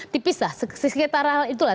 tipis lah sekitar itu lah